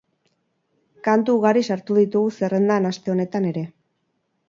Kantu ugari sartu ditugu zerrendan aste honetan ere.